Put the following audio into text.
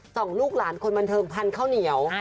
ลูกหลานคนบันเทิงพันข้าวเหนียว